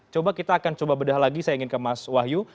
coba kita akan coba bedah lagi saya ingin ke mas wahyu